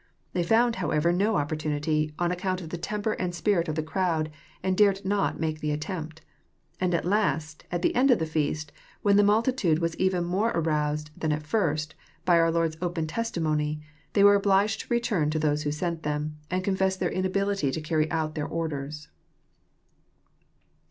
They found however no opportunity, on account of the temper and spirit of the crowd, and dared not make the attempt. And at last, at the end of the feast, when the multitude was even more aroused than at first, by our Lord's open testimony, they were obliged to return to those who sent them, and confess their inability to cariy out their orders.